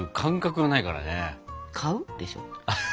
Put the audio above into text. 「買う」でしょ？